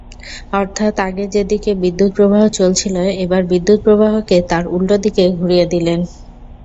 অর্থাৎ আগে যেদিকে বিদ্যুৎ–প্রবাহ চলছিল, এবার বিদ্যুৎ–প্রবাহকে তার উল্টো দিকে ঘুরিয়ে দিলেন।